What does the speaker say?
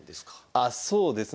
あそうですね。